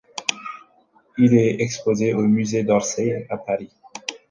Il est exposé au Musée d'Orsay à Paris.